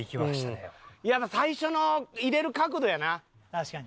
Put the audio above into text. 確かに。